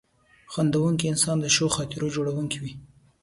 • خندېدونکی انسان د ښو خاطرو جوړونکی وي.